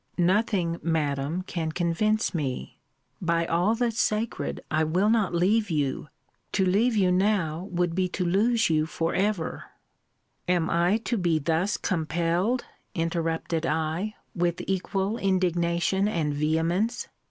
Nothing, Madam, can convince me by all that's sacred, I will not leave you. To leave you now, would be to lose you for ever Am I to be thus compelled? interrupted I, with equal indignation and vehemence.